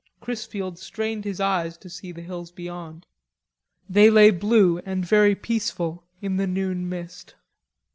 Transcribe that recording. Chrisfield strained his eyes to see the hills beyond. They lay blue and very peaceful in the moon mist.